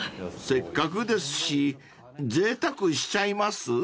［せっかくですしぜいたくしちゃいます？］